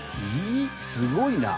すごいな。